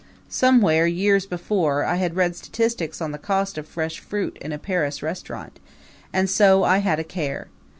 Somewhere, years before, I had read statistics on the cost of fresh fruit in a Paris restaurant, and so I had a care.